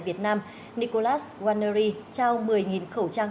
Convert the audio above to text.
việt yên bắc giang